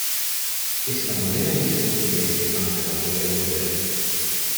Es la novena edición de este campeonato europeo.